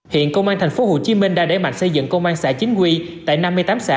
hiện công an thành phố hồ chí minh đã đẩy mạnh xây dựng công an xã chính quy tại năm mươi tám xã